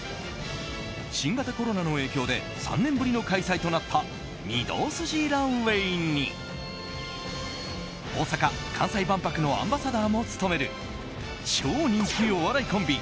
新型コロナの影響で３年ぶりの開催となった御堂筋ランウェイに大阪・関西万博のアンバサダーも務める超人気お笑いコンビ